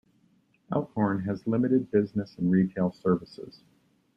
Elkhorn has limited business and retail services.